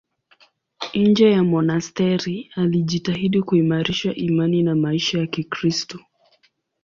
Nje ya monasteri alijitahidi kuimarisha imani na maisha ya Kikristo.